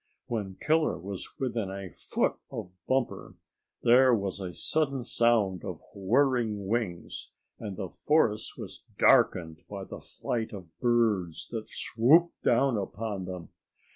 When Killer was within a foot of Bumper there was a sudden sound of whirring wings, and the forest was darkened by the flight of birds that swooped down upon them.